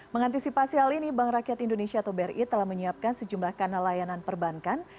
mengantisipasi hal ini bank rakyat indonesia atau bri telah menyiapkan sejumlah kanal layanan perbankan